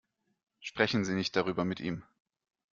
Sprechen Sie nicht darüber mit ihm.